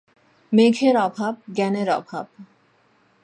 মেঘের অভাব জ্ঞানের অভাব।